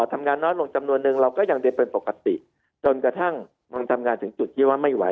ทำงานน้อยลงจำนวนนึงเราก็ยังเดินเป็นปกติจนกระทั่งมึงทำงานถึงจุดที่ว่าไม่ไหว